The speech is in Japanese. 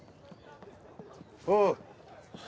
おう！